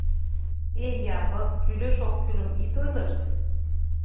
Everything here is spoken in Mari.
Эй, Япык, кӱлеш-оккӱлым ит ойлышт.